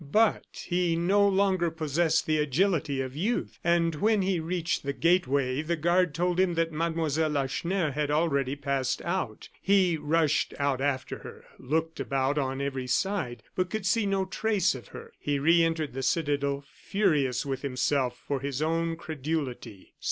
But he no longer possessed the agility of youth, and when he reached the gateway the guard told him that Mlle. Lacheneur had already passed out. He rushed out after her, looked about on every side, but could see no trace of her. He re entered the citadel, furious with himself for his own credulity.